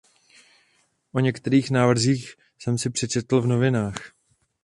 O některých návrzích jsem si přečetl v novinách.